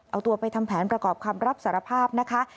เอาตัวไปทำแผนประกอบคำรับสารภาพนะคะ